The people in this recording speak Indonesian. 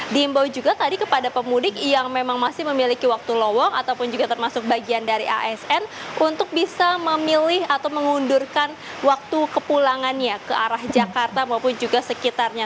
diimbau juga tadi kepada pemudik yang memang masih memiliki waktu lowong ataupun juga termasuk bagian dari asn untuk bisa memilih atau mengundurkan waktu kepulangannya ke arah jakarta maupun juga sekitarnya